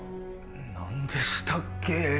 何でしたっけ